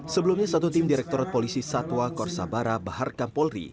sebelumnya satu tim direktorat polisi satwa korsabara bahar kampolri